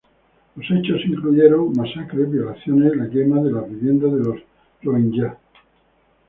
Los hechos incluyeron masacres, violaciones y la quema de las viviendas de los rohinyá.